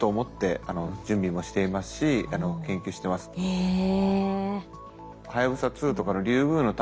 へえ。